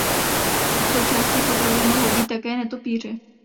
Součástí potravy mohou být také netopýři.